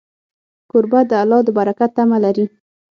کوربه د الله د برکت تمه لري.